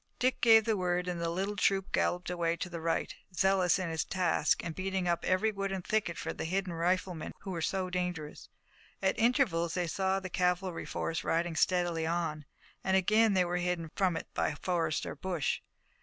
Dick gave the word and the little troop galloped away to the right, zealous in its task and beating up every wood and thicket for the hidden riflemen who were so dangerous. At intervals they saw the cavalry force riding steadily on, and again they were hidden from it by forest or bush.